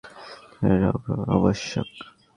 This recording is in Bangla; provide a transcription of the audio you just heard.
সুতরাং একটি কথা বিশেষরূপে মনে রাখা আবশ্যক।